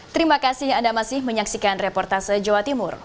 terima kasih anda masih menyaksikan reportase jawa timur